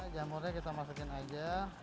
jamurnya kita masukkan aja